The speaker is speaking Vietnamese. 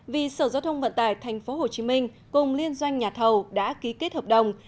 vì sở giao thông vận tải tp hcm cùng liên doanh nhà thầu đã ký kết hợp đồng